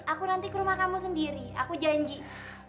aku nanti ke rumah kamu sendiri aku janji